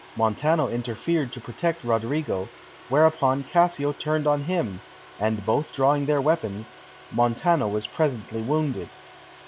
Montano interfered to protect Roderigo, whereupon Cassio turned on him, and both drawing their weapons, Montano was presently wounded.